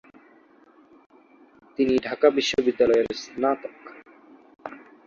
তিনি ঢাকা বিশ্ববিদ্যালয়ের স্নাতক।